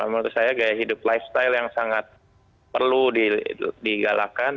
menurut saya gaya hidup lifestyle yang sangat perlu digalakan